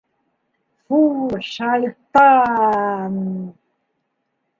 Фу, шайтан!..